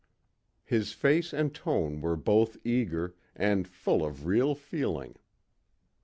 His face and tone were both eager, and full of real feeling.